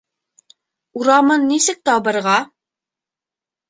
...Урамын нисек табырға?